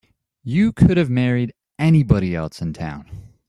You could have married anybody else in town.